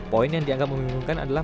poin yang dianggap membingungkan adalah